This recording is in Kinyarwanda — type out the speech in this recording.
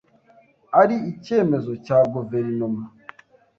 Ari icyemezo cya guverinoma